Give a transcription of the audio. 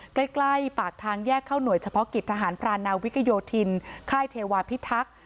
ใกล้ปากทางแยกเข้าหน่วยเฉพาะกิจทหารพรานนาวิกโยธินค่ายเทวาพิทักษ์